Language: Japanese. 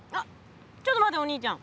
ちょっと待ってお兄ちゃん。